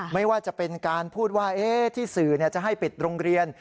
ไม่ว่าจะเป็นการพูดว่าที่สื่อจะให้ปิดโรงเรียน